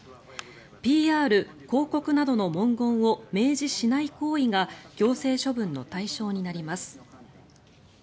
ＰＲ、広告などの文言を明示しない行為が行政処分の対象になります。